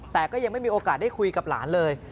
แต่ก็ยังไม่มีโอกาสได้คุยกับหลานเลย